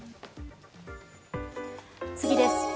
次です。